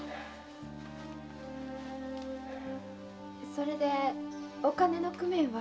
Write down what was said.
それでお金の工面は？